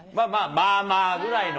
まあまあぐらいの。